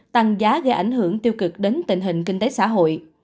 tăng giá gây ảnh hưởng tiêu cực đến tình hình kinh tế xã hội